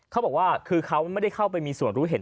เขาบอกว่าคือเขาไม่ได้เข้าไปมีส่วนรู้เห็น